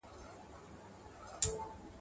د جګړې په ډګر کي هرڅوک خپله دنده ترسره کوي.